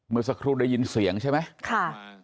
เมื่อสักครู่ได้ยินเสียงใช่ไหมค่ะ